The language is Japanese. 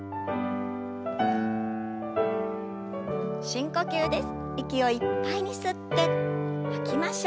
深呼吸です。